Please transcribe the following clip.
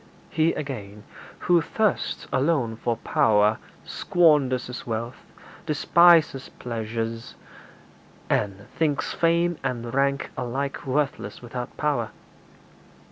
He, again, who thirsts alone for power squanders his wealth, despises pleasure, and thinks fame and rank alike worthless without power.